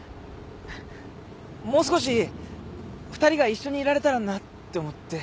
もう少し２人が一緒にいられたらなって思って。